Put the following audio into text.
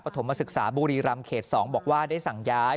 ถมศึกษาบุรีรำเขต๒บอกว่าได้สั่งย้าย